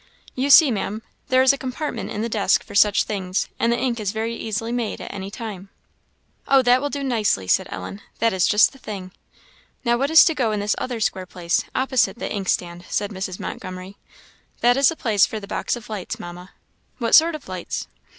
You see, Maam, there is a compartment in the desk for such things; and the ink is very easily made at any time." "Oh, that will do nicely," said Ellen, "that is just the thing." "Now, what is to go in this other square place, opposite the inkstand?" said Mrs. Montgomery. "That is the place for the box of lights, Mamma." "What sort of lights?"